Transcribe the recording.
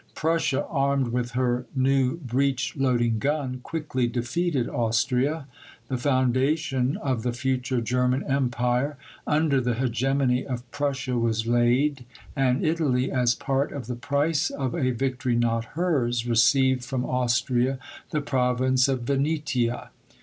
Prussia, armed with her new breech loading gun, quickly defeated Austria. The foundation of the future German Empire under the hegemony of Prussia was laid, and Italy, as part of the price of a victory not hers, received from Austria the province of Venetia.